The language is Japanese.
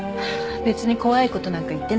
別に怖いことなんか言ってないし。